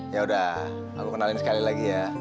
ya udah aku kenalin sekali lagi ya